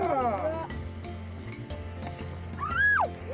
oke satu dua tiga